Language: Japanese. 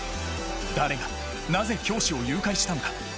誰がなぜ教師を誘拐したのか。